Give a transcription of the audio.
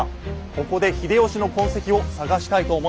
ここで秀吉の痕跡を探したいと思います。